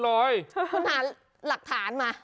คุณหาหลักฐานมา